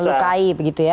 melukai begitu ya